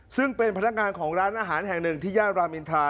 ซึ่งเป็นพนักงานของร้านอาหารแห่งหนึ่งที่ย่านรามอินทา